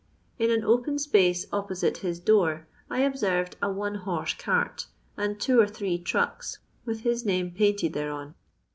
In an open space opposite his door, I observed a one horse cart and two or three trucks with his name painted thereon.